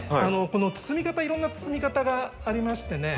この包み方いろんな包み方がありましてね。